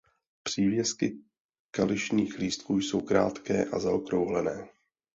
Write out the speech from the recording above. Přívěsky kališních lístků jsou krátké a zaokrouhlené.